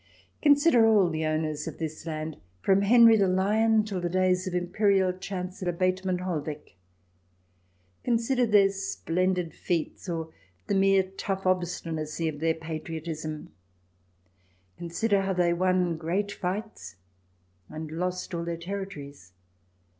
Consider all the owners of this land from Henry the Lion till the days of Imperial Chancellor Beth mann HoUweg ! Consider their splendid feats, or the mere tough obstinacy of their patriotisms. Con sider how they won great fights and lost all their territories.